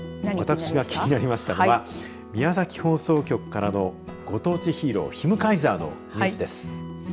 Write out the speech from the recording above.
私が気になりましたのは宮崎放送局からのご当地ヒーローヒムカイザーのニュースです。